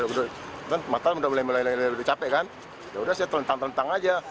udah matang udah capek kan yaudah saya telentang telentang aja